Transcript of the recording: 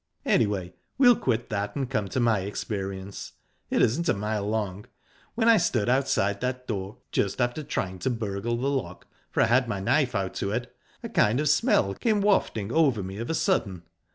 "Anyway, we'll quit that, and come to my experience. It isn't a mile long. While I stood outside that door, just after trying to burgle the lock for I had my knife out to it a kind of smell came wafting over me of a sudden...